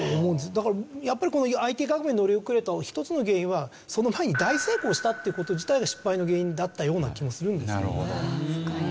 だからやっぱりこのＩＴ革命に乗り遅れた一つの原因はその前に大成功したっていう事自体が失敗の原因だったような気もするんですけどね。